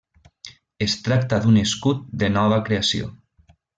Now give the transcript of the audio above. Es tracta d'un escut de nova creació.